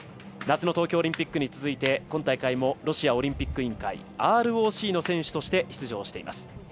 夏の東京オリンピックに続いて今大会もロシアオリンピック委員会＝ＲＯＣの選手として出場しています。